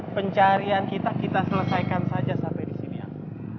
pencarian kita kita selesaikan saja sampai di sini